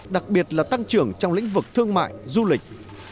đặc biệt là tăng trưởng trong lĩnh vực thương mại du lịch